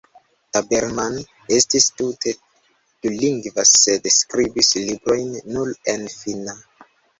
Tabermann estis tute dulingva sed skribis librojn nur en finna.